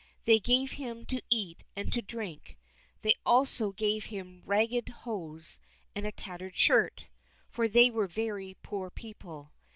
They gave him to eat and to drink. They also gave him ragged hose and a tattered shirt, for they were very poor people.